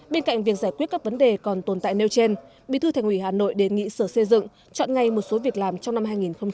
bên cạnh việc giải quyết các vấn đề còn tồn tại nêu trên bị thư thành ủy hà nội đề nghị sở xây dựng chọn ngay một số việc làm trong năm hai nghìn hai mươi